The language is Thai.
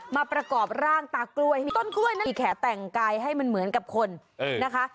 มาประกอบร่างตากล้วยให้มีต้นกล้วยนะมีแขกแต่งกายให้มันเหมือนกับคนนะคะ